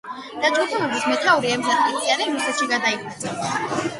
დაჯგუფებების მეთაური ემზარ კვიციანი რუსეთში გადაიხვეწა.